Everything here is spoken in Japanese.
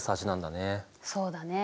そうだね。